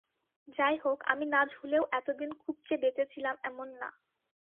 যাইহোক, আমি না ঝুলেও এতদিন খুব যে বেঁচে ছিলাম এমন না।